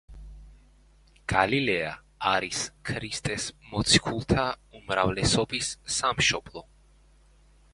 გალილეა არის ქრისტეს მოციქულთა უმრავლესობის სამშობლო.